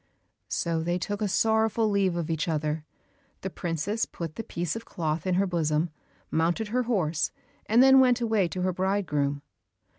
So they took a sorrowful leave of each other; the princess put the piece of cloth in her bosom, mounted her horse, and then went away to her bridegroom.